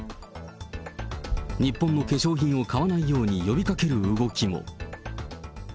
日本の化粧品を買わないように呼びかける動きも。